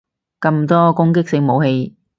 咁多攻擊性武器